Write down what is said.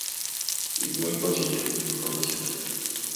Igual consiguió el título nacional.